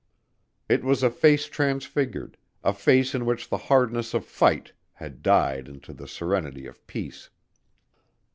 It was a face transfigured; a face in which the hardness of fight had died into the serenity of peace.